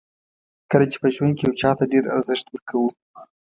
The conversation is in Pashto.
کله چې په ژوند کې یو چاته ډېر ارزښت ورکوو.